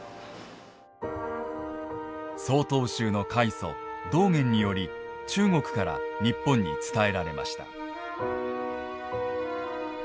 曹洞宗の開祖道元により中国から日本に伝えられました。